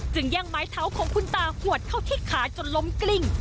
แย่งไม้เท้าของคุณตาหวดเข้าที่ขาจนล้มกลิ้ง